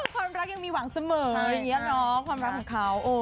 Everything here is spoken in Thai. ความรักยังมีหวังเสมอความรักของเขา